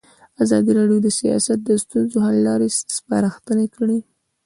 ازادي راډیو د سیاست د ستونزو حل لارې سپارښتنې کړي.